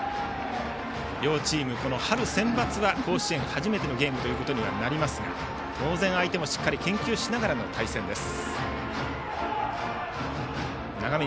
両チーム春センバツは甲子園初めてのゲームになりますが当然、相手もしっかり研究しながらの対戦です。